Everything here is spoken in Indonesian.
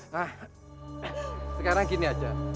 nah sekarang gini aja